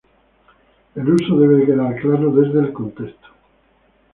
El uso debe quedar claro desde el contexto.